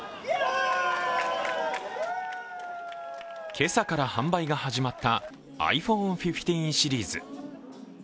今朝から販売が始まったｉＰｈｏｎｅ１５シリーズ。